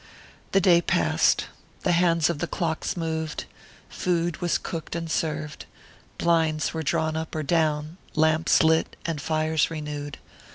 The day passed: the hands of the clocks moved, food was cooked and served, blinds were drawn up or down, lamps lit and fires renewed...